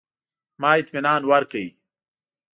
ما اطمنان ورکړ.